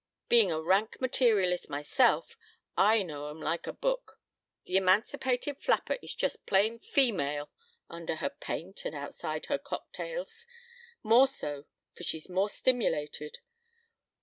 Being a rank materialist myself, I know 'em like a book. The emancipated flapper is just plain female under her paint and outside her cocktails. More so for she's more stimulated.